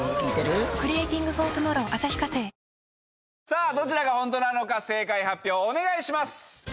さあどちらがホントなのか正解発表お願いします。